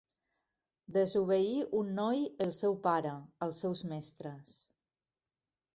Desobeir un noi el seu pare, els seus mestres.